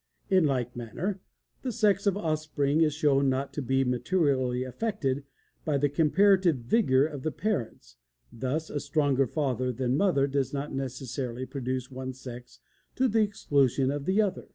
In like manner, the sex of offspring is shown not to be materially affected by the comparative vigor of the parents; thus, a stronger father than mother does not necessarily produce one sex to the exclusion of the other.